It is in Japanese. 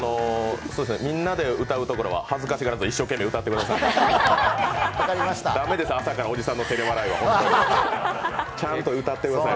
みんなで歌うところは恥ずかしがらずに一生懸命歌ってください。